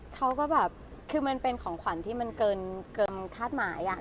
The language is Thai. เขาก็แบบคือมันเป็นของขวัญที่มันเกินคาดหมาย